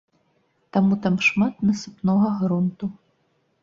Таму там шмат насыпнога грунту.